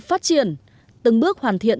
phát triển từng bước hoàn thiện